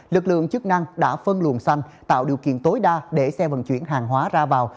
lực lượng chức năng đã phân luồng xanh tạo điều kiện tối đa để xe vận chuyển hàng hóa ra vào